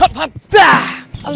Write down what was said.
om pandi hebat